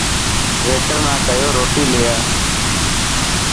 ويٽر ناڪيو روٽي لي آءِ.